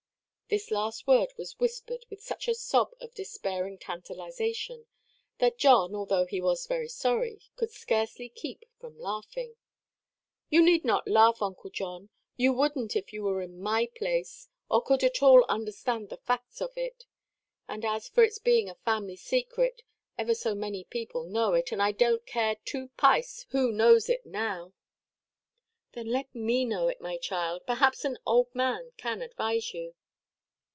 This last word was whispered with such a sob of despairing tantalization, that John, although he was very sorry, could scarcely keep from laughing. "You need not laugh, Uncle John. You wouldnʼt if you were in my place, or could at all understand the facts of it. And as for its being a family–secret, ever so many people know it, and I donʼt care two pice who knows it now." "Then let me know it, my child. Perhaps an old man can advise you."